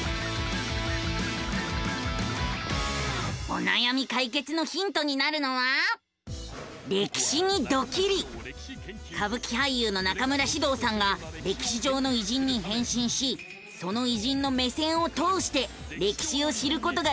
おなやみ解決のヒントになるのは歌舞伎俳優の中村獅童さんが歴史上の偉人に変身しその偉人の目線を通して歴史を知ることができる番組なのさ！